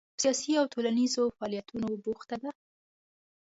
په سیاسي او ټولنیزو فعالیتونو بوخته ده.